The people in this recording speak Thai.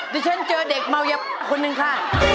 เดี๋ยวฉันเจอเด็กเมาเย็บคนหนึ่งค่ะ